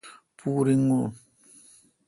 پو ریگو ۔